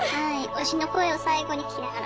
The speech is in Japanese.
推しの声を最期に聞きながら。